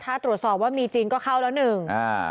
ถ้าตรวจสอบว่ามีจริงก็เข้าแล้วหนึ่งอ่า